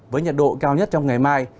với nhiệt độ cao nhất trong ngày mai